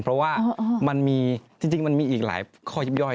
เพราะว่าจริงมันมีอีกหลายขอยยิบยอย